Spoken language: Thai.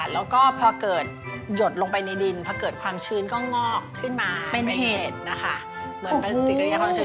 แล้วก็พอเกิดหยดลงไปในดินพอเกิดความชื้นก็งอกขึ้นมาเป็นเห็ด